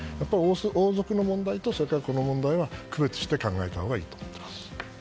王族の問題とこの問題は区別して考えたほうがいいと思っています。